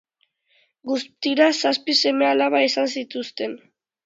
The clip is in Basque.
Guztira zazpi seme-alaba izan zituzten.